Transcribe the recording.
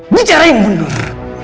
bicara yang benar